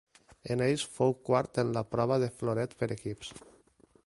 En ells, fou quart en la prova de floret per equips.